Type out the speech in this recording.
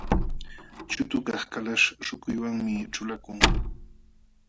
Chutukaq kalaśh śhukuywanmi ćhulakun.